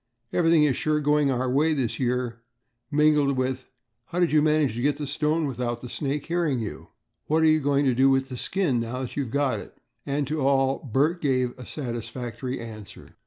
"Everything is sure going our way this year," mingled with "How did you manage to get the stone without the snake hearing you?" "What are you going to do with the skin now that you've got it?" And to all Bert gave a satisfactory answer.